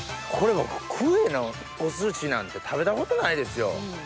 クエのお寿司なんて食べたことないですよ。